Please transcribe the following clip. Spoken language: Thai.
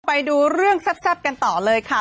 ไปดูเรื่องแซ่บกันต่อเลยค่ะ